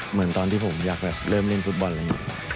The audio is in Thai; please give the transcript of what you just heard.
เหมือนตอนที่ผมอยากเริ่มเล่นฟุตบอลอะไรอย่างนี้